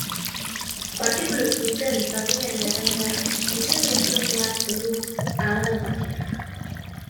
Partikulek duten tamainaren arabera izen desberdina hartzen du agregakinak.